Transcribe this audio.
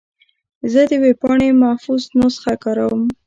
زه د ویب پاڼې محفوظ نسخه کاروم.